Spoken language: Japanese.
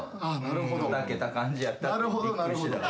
砕けた感じやったってびっくりしてた。